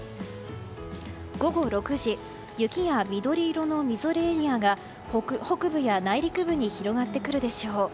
午後６時、雪や緑色のみぞれエリアが北部や内陸部に広がってくるでしょう。